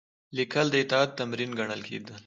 لیکل د اطاعت تمرین ګڼل کېده.